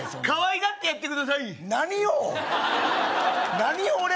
かわいがってやってください何を？